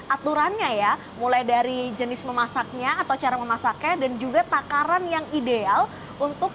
aturannya ya mulai dari jenis memasaknya atau cara memasaknya dan juga takaran yang ideal untuk